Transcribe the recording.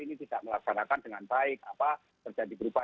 ini tidak melaksanakan dengan baik apa terjadi berubah